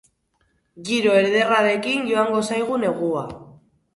Giro ederrarekin joango zaigu negua.